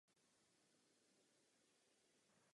Po letech jsem se stal pomocným režisérem a nakonec režisérem.